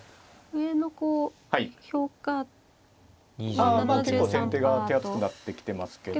まあ結構先手が手厚くなってきてますけど。